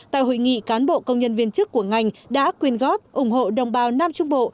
tại hội nghị cán bộ công nhân viên chức của ngành đã quyên góp ủng hộ đồng bào nam trung bộ